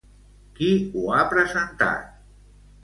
Qui ho ha presentat?